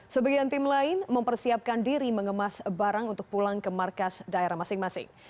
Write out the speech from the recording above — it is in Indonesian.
sebagian tim lain mempersiapkan diri mengemas barang untuk pulang ke markas daerah masing masing